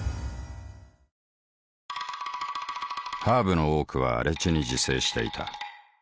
ハーブの多くは荒地に自生していた。